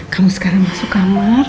kamu sekarang masuk kamar